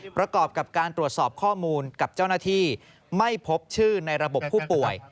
ประกอบกับการตรวจสอบข้อมูลกับเจ้าหน้าที่ไม่พบชื่อในระบบผู้ป่วย